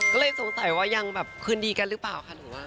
ก็เลยสงสัยว่ายังแบบคืนดีกันหรือเปล่าค่ะหรือว่า